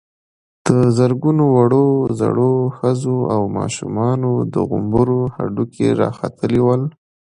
د زرګونو وړو_ زړو، ښځو او ماشومانو د غومبرو هډوکي را ختلي ول.